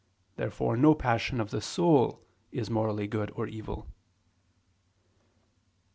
Therefore no passion of the soul is morally good or evil. Obj.